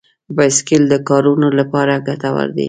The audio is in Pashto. بایسکل د کارونو لپاره ګټور دی.